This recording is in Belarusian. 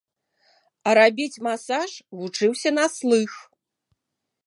А рабіць масаж вучыўся на слых.